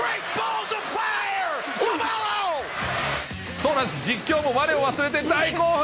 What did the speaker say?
そうなんです、実況もわれを忘れて大興奮。